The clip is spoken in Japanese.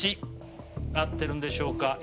合ってるんでしょうか？